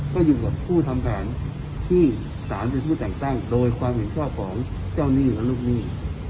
ก็อยู่กับผู้ทำแผนที่สารเป็นผู้แต่งตั้งโดยความเห็นชอบของเจ้าหนี้และลูกหนี้